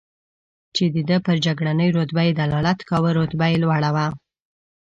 چې د ده پر جګړنۍ رتبه یې دلالت کاوه، رتبه یې لوړه وه.